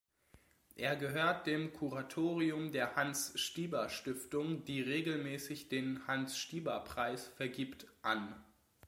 Er gehört dem Kuratorium der "Hans-Stieber-Stiftung", die regelmäßig den Hans-Stieber-Preis vergibt, an.